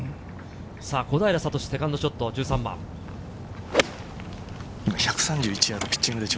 小平智のセカンドショット、１３番です。